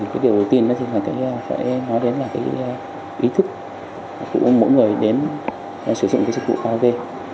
công tác thoát nạn thì điều đầu tiên phải nói đến là ý thức của mỗi người đến sử dụng chức vụ karaoke